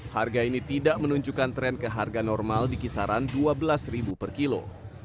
harga ini tidak menunjukkan tren ke harga normal di kisaran rp dua belas per kilo